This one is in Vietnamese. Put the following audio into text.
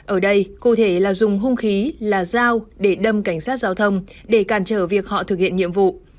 ở đây cụ thể là dùng hung khí là dao để đâm cảnh sát giao thông để cản trở việc họ thực hiện nhiệm vụ